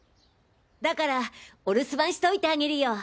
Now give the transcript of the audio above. だからお留守番しといてあげるよ！